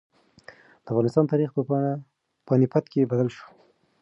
د افغانستان تاریخ په پاني پت کې بدل شو.